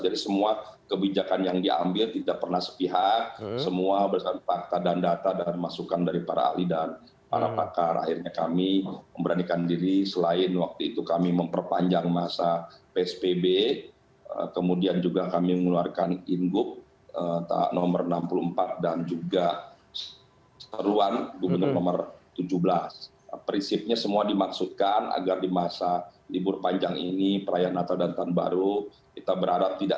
jadi semua kebijakan yang diambil tidak pernah sepihak semua bersama fakta dan data dan masukan dari para ahli dan para pengusaha